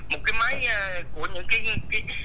một cái máy của những cái